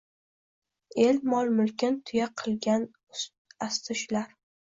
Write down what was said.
El mol-mulkin tuya qilgan asti shular